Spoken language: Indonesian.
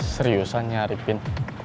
seriusan nyari pin